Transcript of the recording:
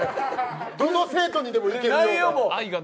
どの生徒にでもいけるような。